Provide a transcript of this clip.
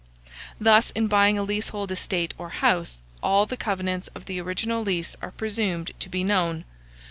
Thus, in buying a leasehold estate or house, all the covenants of the original lease are presumed to be known.